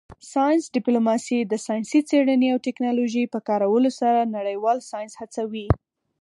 ساینس ډیپلوماسي د ساینسي څیړنې او ټیکنالوژۍ په کارولو سره نړیوال ساینس هڅوي